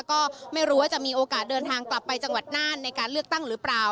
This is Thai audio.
ก็ไม่รู้ว่าจะมีโอกาสเดินทางกลับไปจังหวัดน่านในการเลือกตั้งหรือเปล่า